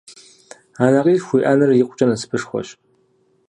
Анэкъилъху уиӏэныр икъукӏэ насыпышхуэщ!